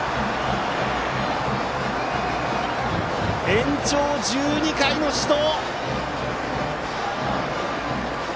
延長１２回の死闘！